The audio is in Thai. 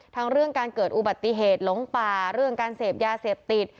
ทั้งเรื่องการเกิดอุบัติเหตุล้งป่าเสพยาดิ์เสพติด